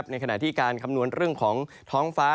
ในขณะที่การคำนวณเรื่องของท้องฟ้า